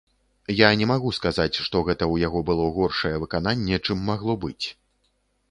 Я не магу сказаць, што гэта ў яго было горшае выкананне, чым магло быць.